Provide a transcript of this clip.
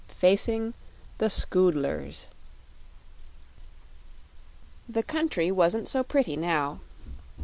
Facing the Scoodlers The country wasn't so pretty now.